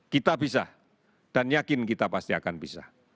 kita bisa dan yakin kita pasti akan bisa